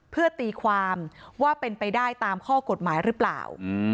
เพื่อตีความว่าเป็นไปได้ตามข้อกฎหมายหรือเปล่า